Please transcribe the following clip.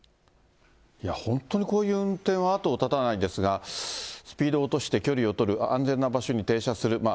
本当にこういう運転は後を絶たないですが、スピードを落として距離を取る、安全な場所に停車する。